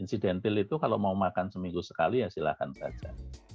insidentil itu kalau mau makan seminggu sekali ya silahkan saja